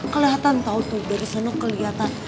kelihatan tau tuh dari sana kelihatan